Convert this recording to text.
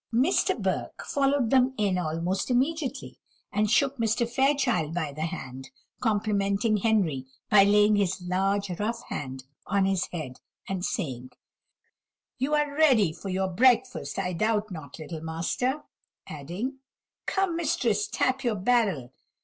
Mr. Burke followed them in almost immediately, and shook Mr. Fairchild by the hand; complimenting Henry by laying his large rough hand on his head, and saying: "You are ready for your breakfast, I doubt not, little master;" adding, "Come, mistress, tap your barrel.